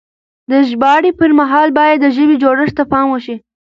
د ژباړې پر مهال بايد د ژبې جوړښت ته پام وشي.